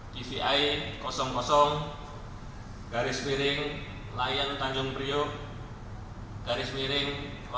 dvi garis miring layang tanjung priok garis miring tiga puluh empat